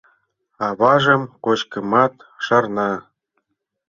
— Аважым кочмымат шарна.